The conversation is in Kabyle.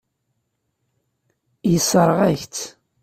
Yessṛeɣ-ak-tt.